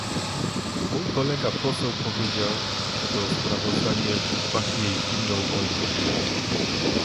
Mój kolega poseł powiedział, że to sprawozdanie pachnie zimną wojną